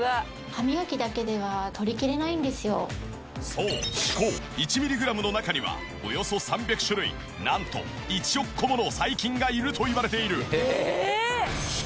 そう歯垢１ミリグラムの中にはおよそ３００種類なんと１億個もの細菌がいるといわれている。